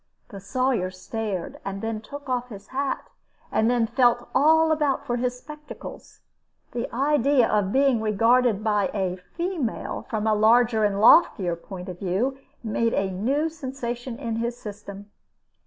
The Sawyer stared, and then took off his hat, and then felt all about for his spectacles. The idea of being regarded by a "female" from a larger and loftier point of view, made a new sensation in his system.